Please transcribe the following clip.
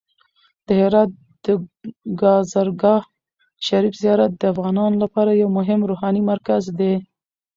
د هرات د کازرګاه شریف زیارت د افغانانو لپاره یو مهم روحاني مرکز دی.